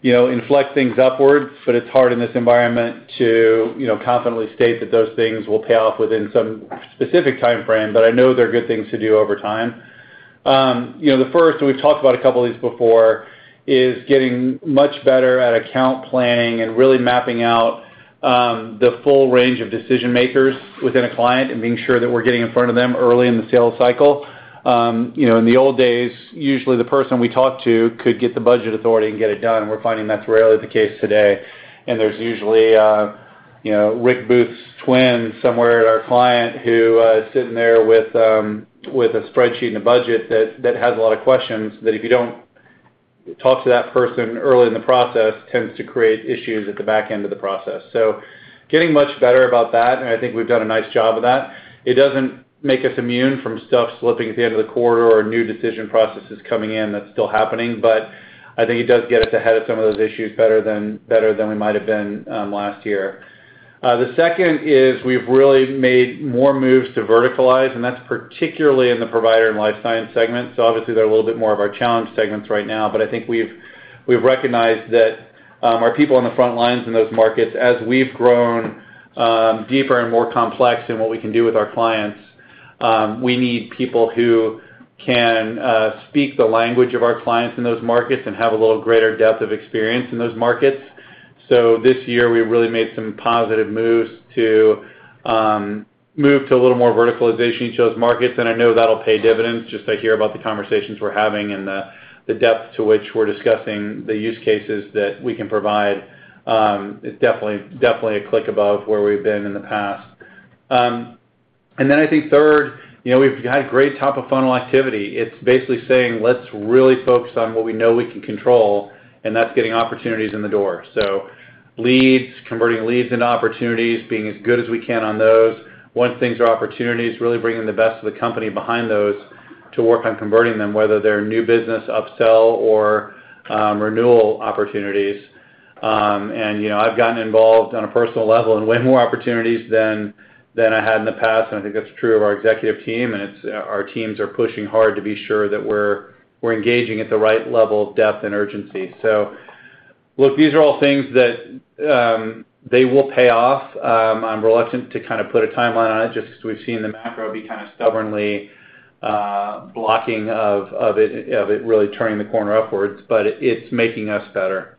you know, inflect things upwards, but it's hard in this environment to, you know, confidently state that those things will pay off within some specific timeframe. I know they're good things to do over time. You know, the first, we've talked about a couple of these before, is getting much better at account planning and really mapping out the full range of decision-makers within a client and being sure that we're getting in front of them early in the sales cycle. You know, in the old days, usually the person we talked to could get the budget authority and get it done. We're finding that's rarely the case today. There's usually, you know, Rick Booth's twin somewhere at our client who is sitting there with a spreadsheet and a budget that has a lot of questions that if you don't talk to that person early in the process, tends to create issues at the back end of the process. Getting much better about that, and I think we've done a nice job of that. It doesn't make us immune from stuff slipping at the end of the quarter or new decision processes coming in. That's still happening. I think it does get us ahead of some of those issues better than we might have been last year. The second is we've really made more moves to verticalize, and that's particularly in the provider and life science segments. Obviously, they're a little bit more of our challenge segments right now. I think we've recognized that our people on the front lines in those markets, as we've grown deeper and more complex in what we can do with our clients, we need people who can speak the language of our clients in those markets and have a little greater depth of experience in those markets. This year, we really made some positive moves to move to a little more verticalization in those markets. I know that'll pay dividends just to hear about the conversations we're having and the depth to which we're discussing the use cases that we can provide, is definitely a click above where we've been in the past. Then I think third, you know, we've had great top-of-funnel activity. It's basically saying, let's really focus on what we know we can control, and that's getting opportunities in the door. Leads, converting leads into opportunities, being as good as we can on those. Once things are opportunities, really bringing the best of the company behind those to work on converting them, whether they're new business, upsell, or renewal opportunities. You know, I've gotten involved on a personal level and way more opportunities than I had in the past, and I think that's true of our executive team. Our teams are pushing hard to be sure that we're engaging at the right level of depth and urgency. Look, these are all things that they will pay off. I'm reluctant to kind of put a timeline on it just 'cause we've seen the macro be kind of stubbornly, blocking of it, of it really turning the corner upwards. It's making us better.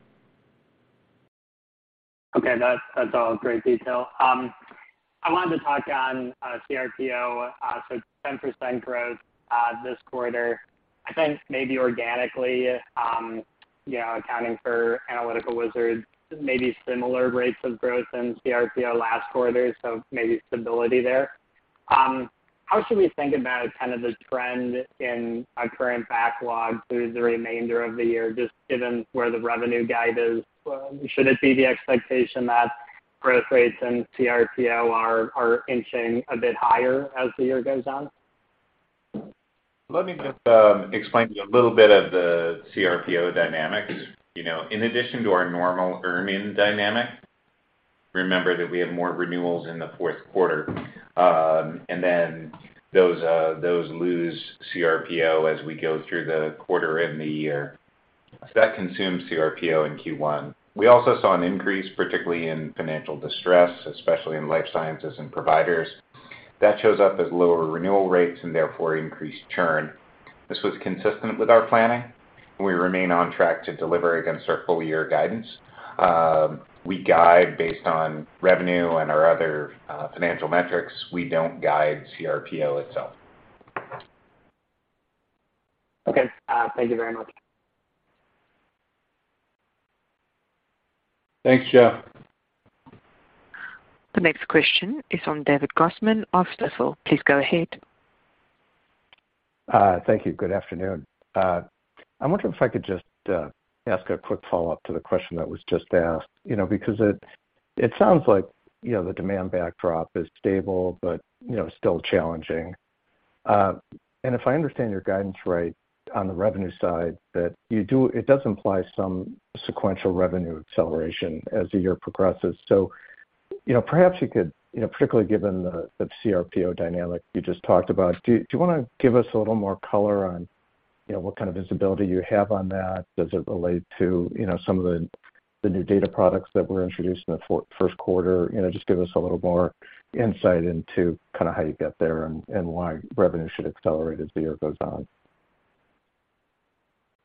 Okay. That's all great detail. I wanted to talk on CRPO. 10% growth this quarter, I think maybe organically, you know, accounting for Analytical Wizards, maybe similar rates of growth in CRPO last quarter, so maybe stability there. How should we think about kind of the trend in our current backlog through the remainder of the year, just given where the revenue guide is? Should it be the expectation that growth rates in CRPO are inching a bit higher as the year goes on? Let me just explain to you a little bit of the CRPO dynamics. You know, in addition to our normal earning dynamic, remember that we have more renewals in the Q4. And then those lose CRPO as we go through the quarter and the year. That consumes CRPO in Q1. We also saw an increase, particularly in financial distress, especially in life sciences and providers. That shows up as lower renewal rates and therefore increased churn. This was consistent with our planning. We remain on track to deliver against our full-year guidance. We guide based on revenue and our other financial metrics. We don't guide CRPO itself. Okay. Thank you very much. Thanks, Joe. The next question is from David Grossman of Stifel. Please go ahead. Thank you. Good afternoon. I'm wondering if I could just ask a quick follow-up to the question that was just asked. You know, it sounds like, you know, the demand backdrop is stable but, you know, still challenging. If I understand your guidance right on the revenue side, it does imply some sequential revenue acceleration as the year progresses. You know, perhaps you could, you know, particularly given the CRPO dynamic you just talked about, do you wanna give us a little more color on, you know, what kind of visibility you have on that? Does it relate to, you know, some of the new data products that were introduced in the first quarter? You know, just give us a little more insight into kinda how you got there and why revenue should accelerate as the year goes on.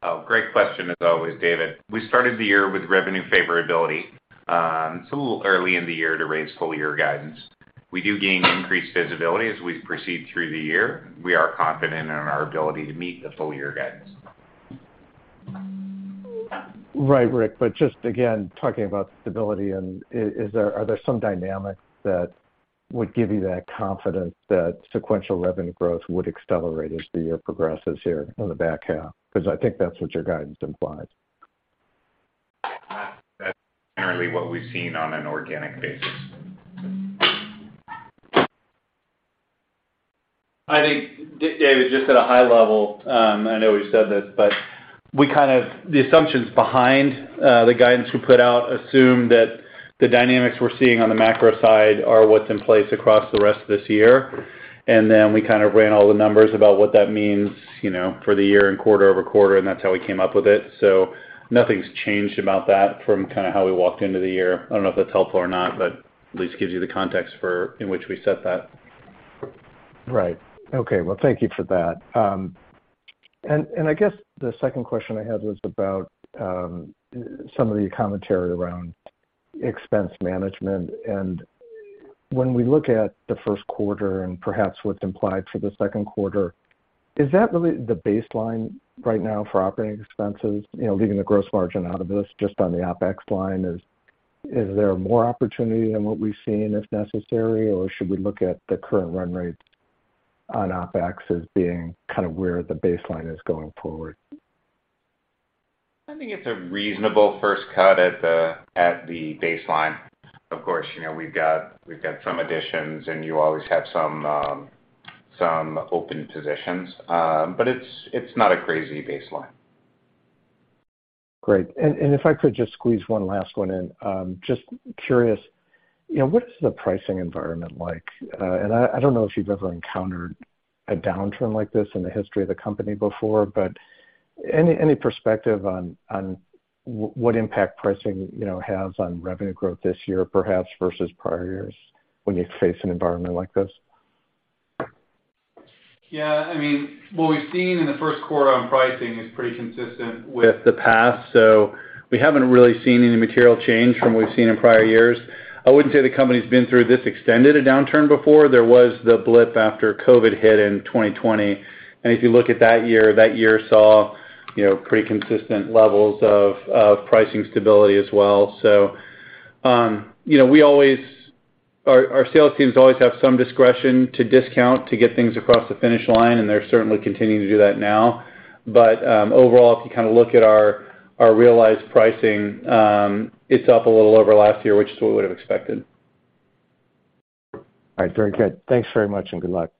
Oh, great question as always, David. We started the year with revenue favorability. It's a little early in the year to raise full year guidance. We do gain increased visibility as we proceed through the year. We are confident in our ability to meet the full year guidance. Right, Rick. Just again, talking about stability and are there some dynamics that would give you that confidence that sequential revenue growth would accelerate as the year progresses here in the back half? Because I think that's what your guidance implies. That's generally what we've seen on an organic basis. I think, David, just at a high level, I know we've said this, but we kind of the assumptions behind the guidance we put out assume that the dynamics we're seeing on the macro side are what's in place across the rest of this year. Then we kind of ran all the numbers about what that means, you know, for the year and quarter-over-quarter, and that's how we came up with it. Nothing's changed about that from kind of how we walked into the year. I don't know if that's helpful or not, at least gives you the context for in which we set that. Right. Okay. Well, thank you for that. I guess the second question I had was about some of the commentary around expense management. When we look at the Q1 and perhaps what's implied for the Q2, is that really the baseline right now for operating expenses? You know, leaving the gross margin out of this just on the OpEx line, is there more opportunity than what we've seen if necessary? Should we look at the current run rates on OpEx as being kind of where the baseline is going forward? I think it's a reasonable first cut at the baseline. Of course, you know, we've got some additions and you always have some open positions. It's not a crazy baseline. Great. If I could just squeeze one last one in. Just curious, you know, what is the pricing environment like? I don't know if you've ever encountered a downturn like this in the history of the company before, but any perspective on what impact pricing, you know, has on revenue growth this year, perhaps versus prior years when you face an environment like this? Yeah. I mean, what we've seen in the Q1 on pricing is pretty consistent with the past. We haven't really seen any material change from what we've seen in prior years. I wouldn't say the company's been through this extended a downturn before. There was the blip after COVID hit in 2020. If you look at that year, that year saw, you know, pretty consistent levels of pricing stability as well. You know, our sales teams always have some discretion to discount to get things across the finish line, and they're certainly continuing to do that now. Overall, if you kind of look at our realized pricing, it's up a little over last year, which is what we would've expected. All right. Very good. Thanks very much, and good luck.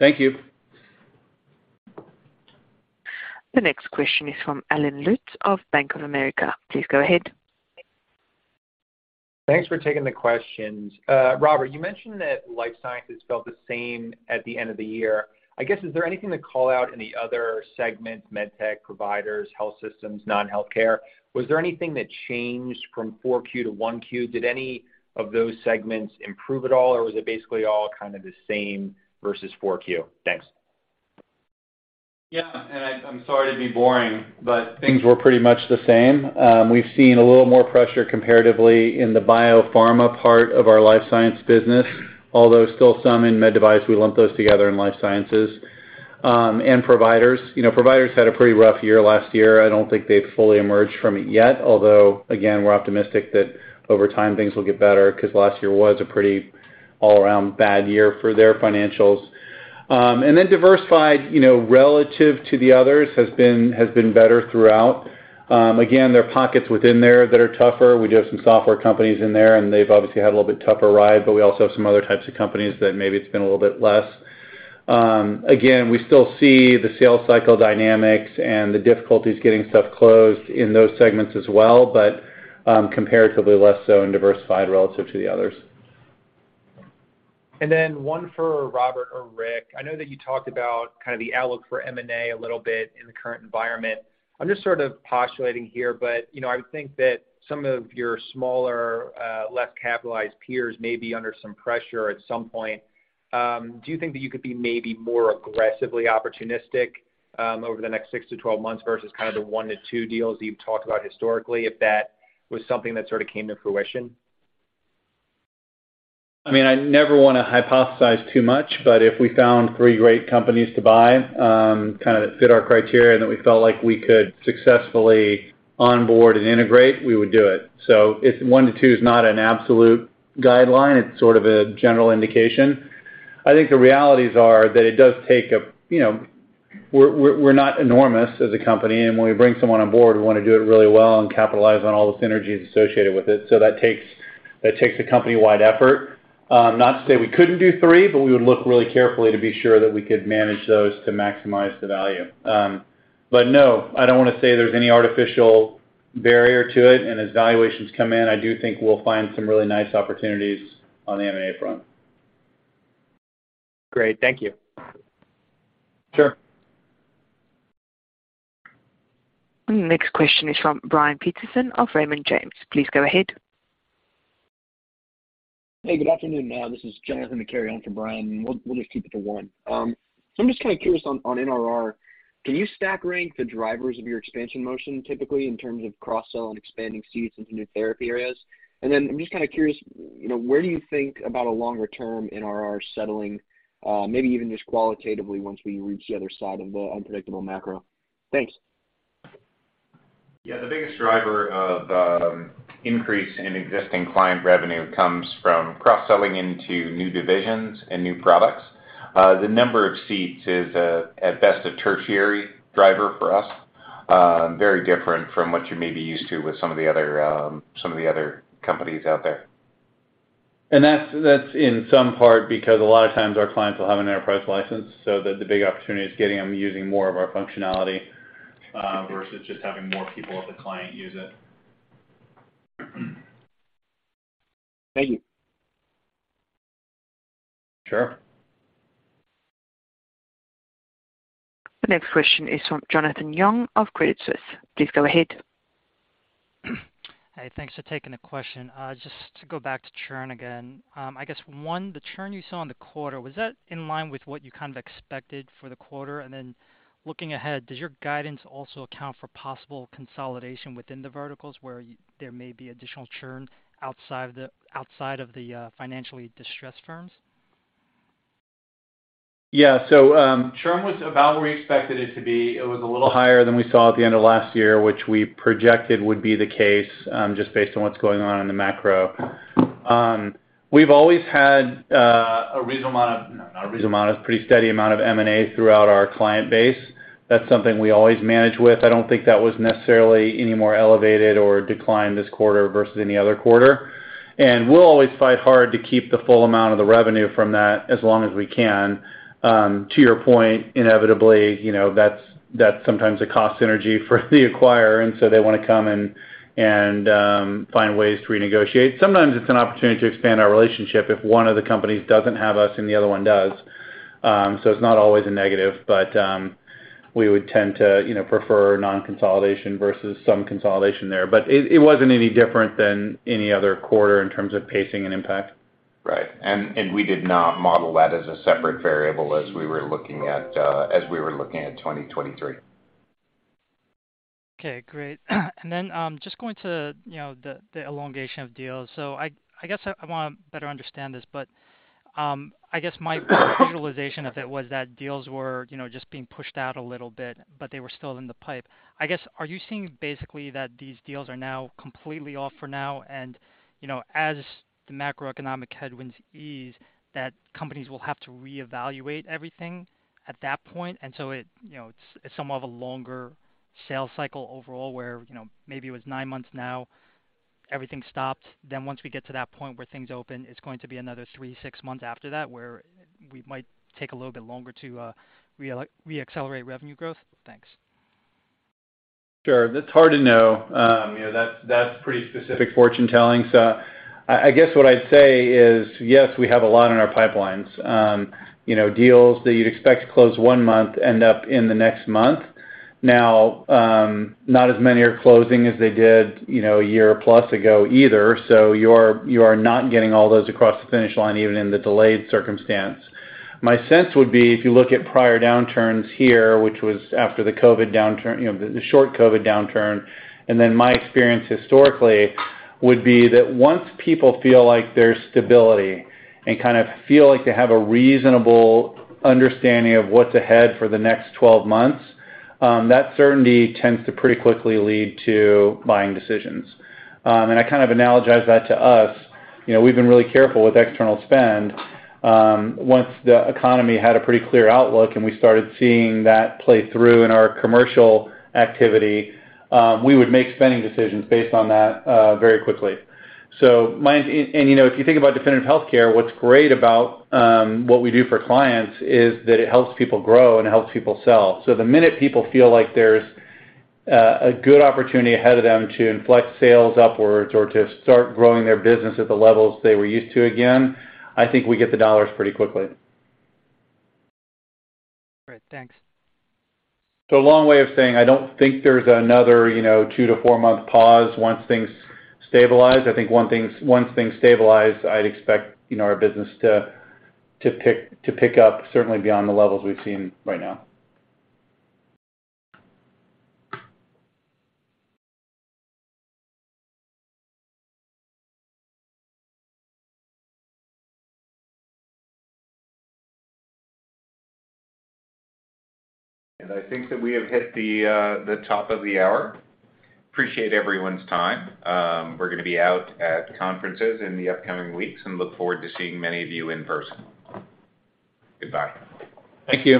Thank you. The next question is from Allen Lutz of Bank of America. Please go ahead. Thanks for taking the questions. Robert, you mentioned that life sciences felt the same at the end of the year. I guess, is there anything to call out in the other segments, med tech providers, health systems, non-healthcare? Was there anything that changed from 4Q to 1Q? Did any of those segments improve at all, or was it basically all kind of the same versus 4Q? Thanks. I'm sorry to be boring, but things were pretty much the same. We've seen a little more pressure comparatively in the biopharma part of our life science business, although still some in med device. We lump those together in life sciences. Providers. You know, providers had a pretty rough year last year. I don't think they've fully emerged from it yet, although again, we're optimistic that over time things will get better because last year was a pretty all around bad year for their financials. Diversified, you know, relative to the others has been better throughout. Again, there are pockets within there that are tougher. We do have some software companies in there, and they've obviously had a little bit tougher ride, but we also have some other types of companies that maybe it's been a little bit less. again, we still see the sales cycle dynamics and the difficulties getting stuff closed in those segments as well, but comparatively less so in diversified relative to the others. One for Robert or Rick. I know that you talked about kind of the outlook for M&A a little bit in the current environment. I'm just sort of postulating here, but you know, I would think that some of your smaller, less capitalized peers may be under some pressure at some point. Do you think that you could be maybe more aggressively opportunistic over the next 6 to 12 months versus kind of the 1 to 2 deals you've talked about historically, if that was something that sort of came to fruition? I mean, I never wanna hypothesize too much, but if we found 3 great companies to buy, kinda fit our criteria and that we felt like we could successfully onboard and integrate, we would do it. 1 to 2 is not an absolute guideline. It's sort of a general indication. I think the realities are that it does take a, you know. We're not enormous as a company, and when we bring someone on board, we wanna do it really well and capitalize on all the synergies associated with it. That takes a company-wide effort. Not to say we couldn't do 3, we would look really carefully to be sure that we could manage those to maximize the value. No, I don't wanna say there's any artificial barrier to it. As valuations come in, I do think we'll find some really nice opportunities on the M&A front. Great. Thank you. Sure. Next question is from Brian Peterson of Raymond James. Please go ahead. Hey, good afternoon. This is Johnathan McCary, Raymond James. We'll just keep it to one. I'm just kinda curious on NRR. Can you stack rank the drivers of your expansion motion typically in terms of cross-sell and expanding seats into new therapy areas? I'm just kinda curious, you know, where do you think about a longer term NRR settling, maybe even just qualitatively once we reach the other side of the unpredictable macro? Thanks. The biggest driver of increase in existing client revenue comes from cross-selling into new divisions and new products. The number of seats is at best, a tertiary driver for us. Very different from what you may be used to with some of the other companies out there. That's in some part because a lot of times our clients will have an enterprise license. The big opportunity is getting them using more of our functionality versus just having more people at the client use it. Thank you. Sure. The next question is from Jonathan Yong of Credit Suisse. Please go ahead. Hey, thanks for taking the question. Just to go back to churn again. I guess one, the churn you saw in the quarter, was that in line with what you kind of expected for the quarter? Looking ahead, does your guidance also account for possible consolidation within the verticals where there may be additional churn outside of the financially distressed firms? Churn was about where we expected it to be. It was a little higher than we saw at the end of last year, which we projected would be the case, just based on what's going on in the macro. We've always had a pretty steady amount of M&A throughout our client base. That's something we always manage with. I don't think that was necessarily any more elevated or declined this quarter versus any other quarter. We'll always fight hard to keep the full amount of the revenue from that as long as we can. To your point, inevitably, you know, that's sometimes a cost synergy for the acquirer, and so they wanna come and find ways to renegotiate. Sometimes it's an opportunity to expand our relationship if one of the companies doesn't have us and the other one does. it's not always a negative, but, we would tend to, you know, prefer non-consolidation versus some consolidation there. it wasn't any different than any other quarter in terms of pacing and impact. Right. We did not model that as a separate variable as we were looking at 2023. Okay, great. Just going to, you know, the elongation of deals. I guess I wanna better understand this, but, I guess my visualization of it was that deals were, you know, just being pushed out a little bit, but they were still in the pipe. I guess, are you seeing basically that these deals are now completely off for now and, you know, as the macroeconomic headwinds ease, that companies will have to reevaluate everything at that point? It, you know, it's somewhat of a longer sales cycle overall, where, you know, maybe it was nine months now, everything stopped. Once we get to that point where things open, it's going to be another 3-6 months after that, where we might take a little bit longer to reaccelerate revenue growth. Thanks. Sure. That's hard to know. you know, that's pretty specific fortune-telling. I guess what I'd say is, yes, we have a lot in our pipelines. you know, deals that you'd expect to close 1 month end up in the next month. Now, not as many are closing as they did, you know, a year-plus ago either, so you are not getting all those across the finish line, even in the delayed circumstance. My sense would be if you look at prior downturns here, which was after the COVID downturn, you know, the short COVID downturn, and then my experience historically would be that once people feel like there's stability and kind of feel like they have a reasonable understanding of what's ahead for the next 12 months, that certainty tends to pretty quickly lead to buying decisions. I kind of analogize that to us. You know, we've been really careful with external spend. Once the economy had a pretty clear outlook and we started seeing that play through in our commercial activity, we would make spending decisions based on that very quickly. You know, if you think about Definitive Healthcare, what's great about what we do for clients is that it helps people grow and it helps people sell. The minute people feel like there's a good opportunity ahead of them to inflect sales upwards or to start growing their business at the levels they were used to again, I think we get the dollars pretty quickly. Great. Thanks. A long way of saying, I don't think there's another, you know, 2-4 month pause once things stabilize. I think once things stabilize, I'd expect, you know, our business to pick up certainly beyond the levels we've seen right now. I think that we have hit the top of the hour. Appreciate everyone's time. We're gonna be out at conferences in the upcoming weeks and look forward to seeing many of you in person. Goodbye. Thank you.